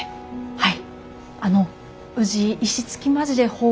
はい。